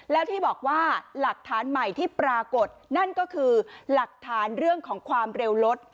แล้วที่บอกว่าหลักฐานใหม่ที่ปรากฏนั่นก็คือหลักฐานเรื่องของความเร็วรถ